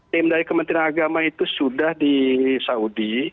tim dari kementerian agama itu sudah di saudi